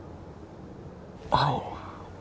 はい。